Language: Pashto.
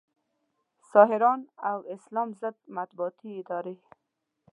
ساحران او اسلام ضد مطبوعاتي ادارې